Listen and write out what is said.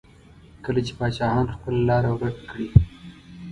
کله چې پاچاهان خپله لاره ورکه کړي.